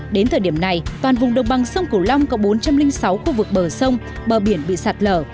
đến thời điểm này toàn vùng đồng bằng sông cửu long có bốn trăm linh sáu khu vực bờ sông bờ biển bị sạt lở